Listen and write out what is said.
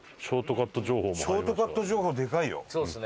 ショートカット情報でかいよ。